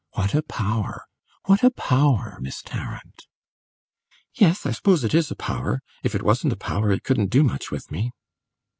What a power what a power, Miss Tarrant!" "Yes, I suppose it is a power. If it wasn't a power, it couldn't do much with me!"